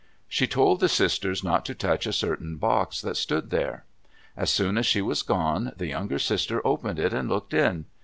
She told the sisters not to touch a certain box that stood there. As soon as she was gone, the younger sister opened it and looked in.